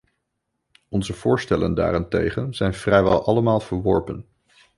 Onze voorstellen daarentegen zijn vrijwel allemaal verworpen.